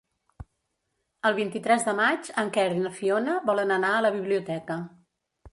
El vint-i-tres de maig en Quer i na Fiona volen anar a la biblioteca.